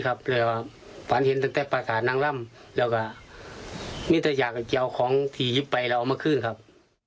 ชี้หน้าถมึงถึงตามว่าให้เอาหินกลับไปทุกคืนเลย